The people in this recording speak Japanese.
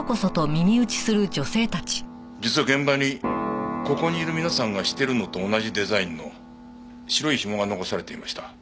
実は現場にここにいる皆さんがしてるのと同じデザインの白いひもが残されていました。